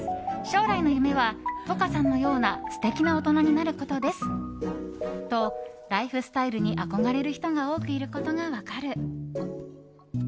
将来の夢はｔｏｋａさんのような素敵な大人になることですとライフスタイルに憧れる人が多くいることが分かる。